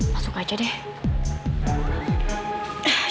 masuk aja deh